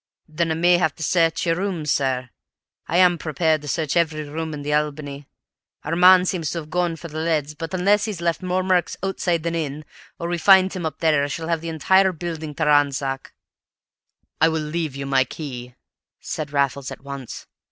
"Then I may have to search your rooms, sir. I am prepared to search every room in the Albany! Our man seems to have gone for the leads; but unless he's left more marks outside than in, or we find him up there, I shall have the entire building to ransack." "I will leave you my key," said Raffles at once.